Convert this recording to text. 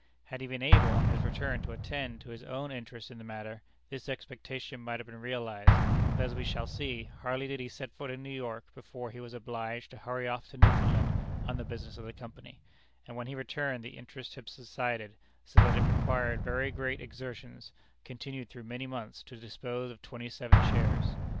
Had he been able, on his return, to attend to his own interests in the matter, this expectation might have been realized; but, as we shall see, hardly did he set foot in New York, before he was obliged to hurry off to Newfoundland on the business of the Company, and when he returned the interest had subsided, so that it required very great exertions, continued through many months, to dispose of twenty seven shares.